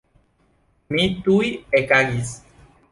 Mi tuj ekagis.